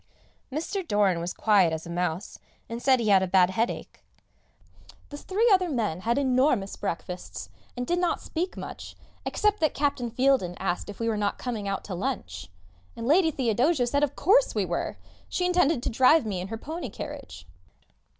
Mr. Doran was as quiet as a mouse, and said he had a bad headache. The three other men had enormous breakfasts, and did not speak much, except that Captain Fieldin asked if we were not coming out to lunch; and Lady Theodosia said of course we were she intended to drive me in her pony carriage.